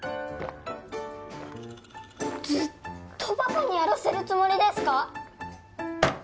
ずっとパパにやらせるつもりですか？